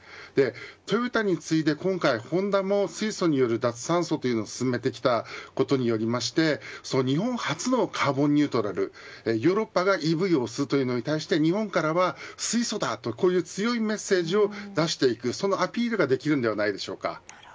トヨタに次いで今回、ホンダも水素による脱炭素を進めてきたことによりまして日本発のカーボンニュートラルヨーロッパがＥＶを推すというのに対して日本からは水素だと強いメッセージを出していくそのアピールができるのではないでしょうか。